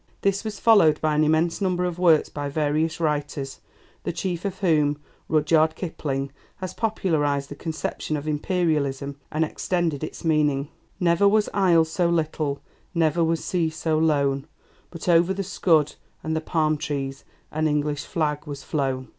This was followed by an immense number of works by various writers, the chief of whom, Rudyard Kipling, has popularized the conception of Imperialism and extended its meaning: Never was isle so little, never was sea so lone, But over the scud and the palm trees an English flag was flown.